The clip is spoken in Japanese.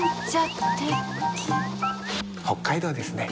北海道ですね。